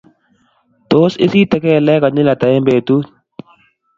Tos, Isite kelegeek konyil ata eng betut?